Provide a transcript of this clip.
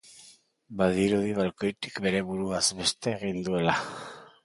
Badirudi balkoitik bere buruaz beste egin duela.